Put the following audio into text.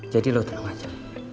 jadi lo tenang aja